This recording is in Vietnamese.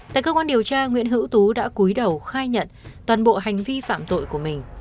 tại cơ quan điều tra nguyễn hữu tú đã cuối đầu khai nhận toàn bộ hành vi phạm tội của mình